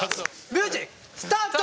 ミュージックスタート！